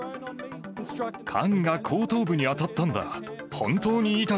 缶が後頭部に当たったんだ。